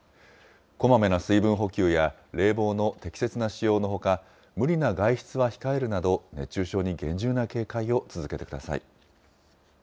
こまめな水分補給や冷房の適切な使用のほか、無理な外出は控えるなど、熱中症に厳重な警戒を続けてください。